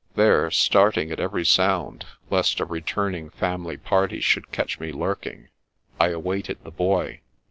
There, starting at every sound, lest a returning family party should catch me " lurking," I awaited the Boy.